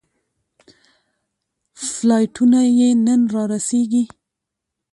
فلایټونه یې نن رارسېږي.